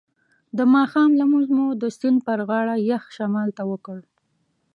د ماښام لمونځ مو د سیند پر غاړه یخ شمال ته وکړ.